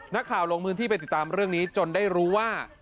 นักข่าวโรงพิวเมีย์ที่ไปติดตามเรื่องนี้จนได้รู้ว่า